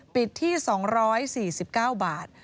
ปิดที่๒๔๙บาท